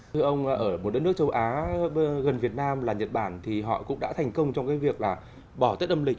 thưa ông ở một đất nước châu á gần việt nam là nhật bản thì họ cũng đã thành công trong cái việc là bỏ tết âm lịch